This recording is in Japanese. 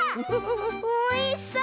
おいしそう！